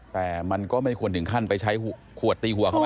แต่มันก็ไม่ควรถึงขั้นไปใช้ขวดตีหัวเขาไหม